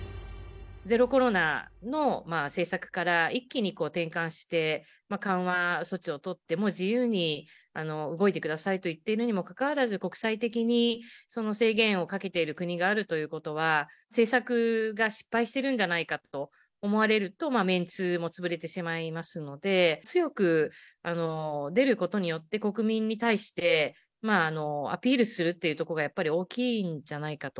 ゼロコロナの政策から一気に転換して、緩和措置を取って、もう自由に動いてくださいといっているにもかかわらず、国際的に制限をかけている国があるということは、政策が失敗してるんじゃないかと思われると、メンツも潰れてしまいますので、強く出ることによって、国民に対してアピールするっていうところがやっぱり大きいんじゃないかと。